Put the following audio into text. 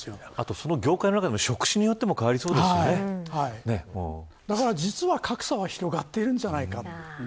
その業界の中でも職種によってもだから実は、格差が広がっているんじゃないか。